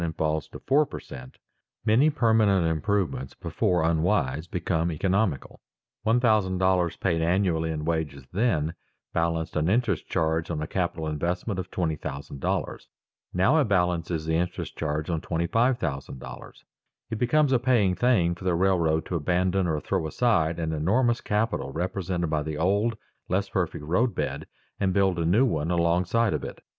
and falls to four per cent. many permanent improvements before unwise become economical. One thousand dollars paid annually in wages then balanced an interest charge on a capital investment of $20,000; now it balances the interest charge on $25,000. It becomes a paying thing for the railroad to abandon or throw aside an enormous capital represented by the old, less perfect roadbed, and build a new one alongside of it.